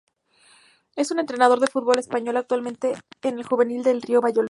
Es un entrenador de fútbol español actualmente en el juvenil del Real Valladolid.